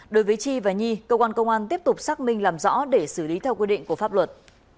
đối với chi và nhi cơ quan công an tiếp tục xác minh làm rõ để xử lý theo quy định của pháp luật